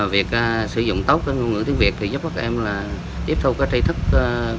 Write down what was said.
việc sử dụng tốt ngôn ngữ tiếng việt thì giúp các em tiếp thu kiến thức của các môn học tốt hơn